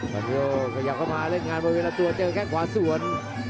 พี่พิชิชัยก็อยากเข้ามาเล่นงานเมื่อเวลาตัวเจอกับแค่ขวาส่วน